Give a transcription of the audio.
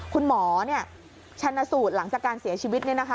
คุณหมอชันสูตรหลังจากการเสียชีวิต